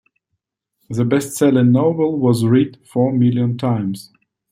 The bestselling novel was read four million times.